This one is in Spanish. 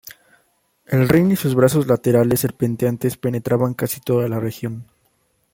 El Rin y sus brazos laterales serpenteantes penetraban casi toda la región.